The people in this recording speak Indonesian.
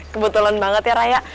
kebetulan banget ya raya